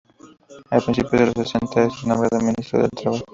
A principios de los sesenta es nombrado Ministro del Trabajo.